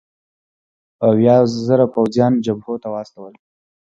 اویا زره پوځیان جبهو ته واستول.